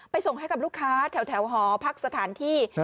ส่งให้กับลูกค้าแถวหอพักสถานที่